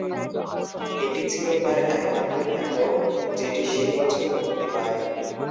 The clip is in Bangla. এটি ছিল তার একমাত্র একক যেটি সেই বছর মুক্তি পায়।